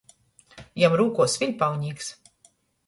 Jam rūkuos sviļpaunīks.